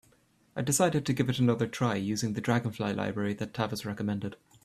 I decided to give it another try, using the Dragonfly library that Tavis recommended.